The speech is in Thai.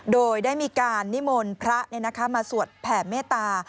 โดยได้มีการนิมนต์พระมาสวดแผ่เมตตา